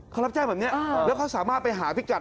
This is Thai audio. เขารับแจ้งแบบนี้แล้วเขาสามารถไปหาพิกัด